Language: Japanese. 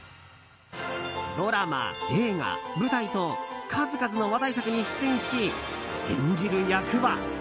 ドラマ、映画、舞台と数々の話題作に出演し演じる役は。